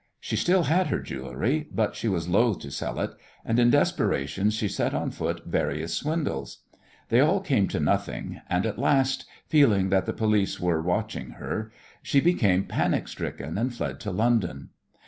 She still had her jewellery, but she was loath to sell it, and in desperation she set on foot various swindles. They all came to nothing, and at last, feeling that the police were watching her, she became panic stricken, and fled to London.